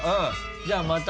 じゃあまた。